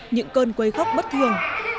những cơn quấy khóc bất thường